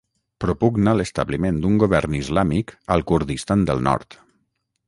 Propugna l'establiment d'un govern islàmic al Kurdistan del Nord.